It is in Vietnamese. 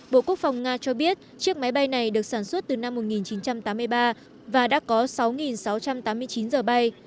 bộ quốc phòng nga cho biết chiếc máy bay này được sản xuất từ năm một nghìn chín trăm tám mươi ba và đã có sáu sáu trăm tám mươi chín giờ bay